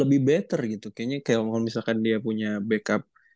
lebih better gitu kayaknya kayak kalau misalkan dia punya backup